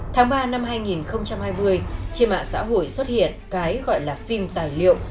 tháng ba năm hai nghìn hai mươi trên mạng xã hội xuất hiện cái gọi là phim tài liệu